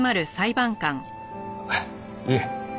いえ。